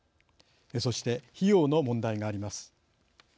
そして費用の問題があります。